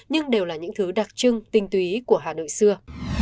nhưng đều là những thứ đặc trưng tinh túy của hà nội xưa